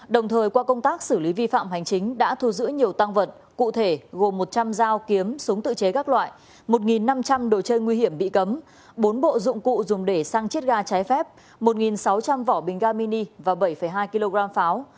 đồng thời qua công tác xử lý vi phạm hành chính đã thu giữ nhiều tăng vật cụ thể gồm một trăm linh dao kiếm súng tự chế các loại một năm trăm linh đồ chơi nguy hiểm bị cấm bốn bộ dụng cụ dùng để sang chiết ga trái phép một sáu trăm linh vỏ bình ga mini và bảy hai kg pháo